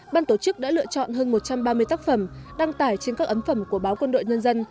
ban tổ chức đã lựa chọn hơn một trăm ba mươi tác phẩm đăng tải trên các ấn phẩm của báo quân đội nhân dân